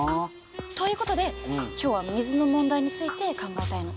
ということで今日は水の問題について考えたいの。